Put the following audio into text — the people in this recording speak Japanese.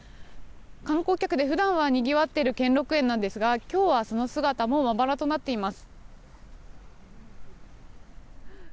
観光客で普段はにぎわっている兼六園なんですが今日はその姿もまばらとなっています。